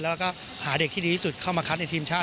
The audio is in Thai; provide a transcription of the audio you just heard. แล้วก็หาเด็กที่ดีที่สุดเข้ามาคัดในทีมชาติ